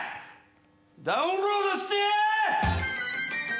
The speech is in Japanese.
ダウンロードしてや！